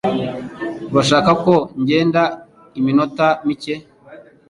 Urashaka ko ngenda iminota mike?